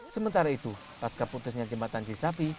sementara itu pas keputusnya jembatan cisapi